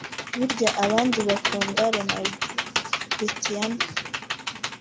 Burya abandi bakunda Ronaldo [Cristiano]